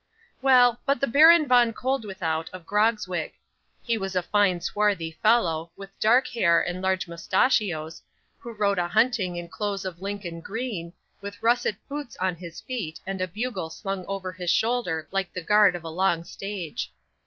'Well, but the Baron Von Koeldwethout of Grogzwig! He was a fine swarthy fellow, with dark hair and large moustachios, who rode a hunting in clothes of Lincoln green, with russet boots on his feet, and a bugle slung over his shoulder like the guard of a long stage.